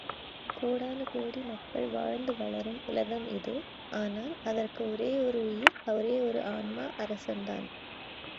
கோடானுகோடி மக்கள் வாழ்ந்து வளரும் உலகம் இது, ஆனால், அதற்கு ஒரேயொரு உயிர் ஒரேயொரு ஆன்மா, அரசன்தான்!